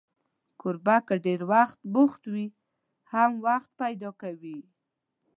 کوربه که ډېر بوخت وي، هم وخت پیدا کوي.